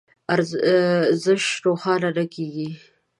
ارزش روښانه نه کېږي.